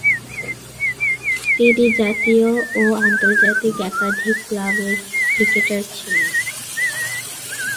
তিনি জাতীয় ও আন্তর্জাতিক একাধিক ক্লাবের ক্রিকেটার ছিলেন।